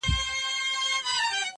ډېر عمر ښه دی عجیبي وینو،